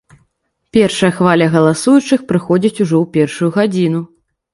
Першая хваля галасуючых прыходзіць ужо ў першую гадзіну.